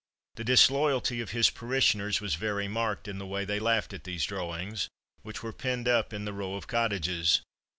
The disloyalty of his parishioners was very marked in the way they laughed at these drawings, which were pinned up in the row of cottages.